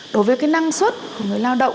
đối với cái năng suất của người lao động